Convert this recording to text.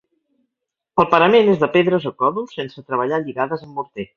El parament és de pedres o còdols sense treballar lligades amb morter.